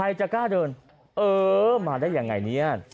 ใครจะกล้าเดินเออมาได้ยังไงเนี่ย